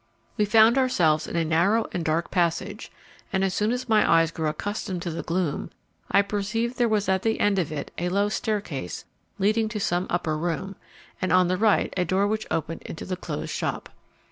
We found ourselves in a narrow and dark passage, and as soon as my eyes grew accustomed to the gloom I perceived there was at the end of it a low staircase leading to some upper room, and on the right a door which opened into the closed shop.